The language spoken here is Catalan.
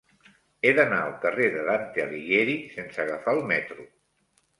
He d'anar al carrer de Dante Alighieri sense agafar el metro.